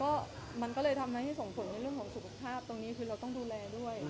ก็มันก็เลยทำให้ส่งผลในเรื่องของสุขภาพตรงนี้คือเราต้องดูแลด้วย